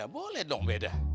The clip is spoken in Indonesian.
ya boleh dong beda